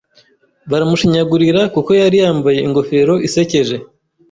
Baramushinyagurira kuko yari yambaye ingofero isekeje.